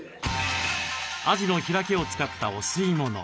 アジの開きを使ったお吸い物。